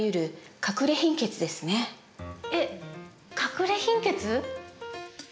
えっ、かくれ貧血？